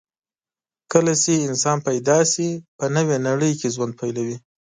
کله چې انسان پیدا شي، په نوې نړۍ کې ژوند پیلوي.